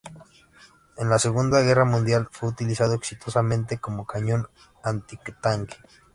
En la Segunda Guerra Mundial fue utilizado exitosamente como cañón antitanque.